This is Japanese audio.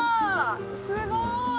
すごい！